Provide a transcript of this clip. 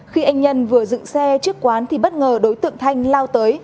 khi anh nhân vừa dựng xe trước quán thì bất ngờ đối tượng thanh lao tới